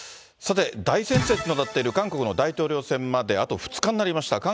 さて、大接戦となっている韓国の大統領選まであと２日になりました。